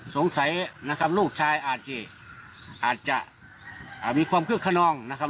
สงสัยนะครับลูกชายอาจจะมีความเครื่องขนองนะครับ